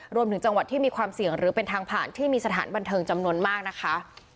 รวมถึงจังหวัดที่มีความเสี่ยงหรือเป็นทางผ่านที่มีสถานบันเทิงจำนวนมากนะคะ